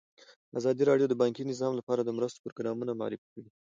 ازادي راډیو د بانکي نظام لپاره د مرستو پروګرامونه معرفي کړي.